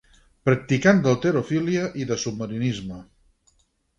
Practicant d'halterofília i de submarinisme.